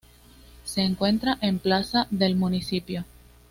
Se encuentra en Plaza del Municipio.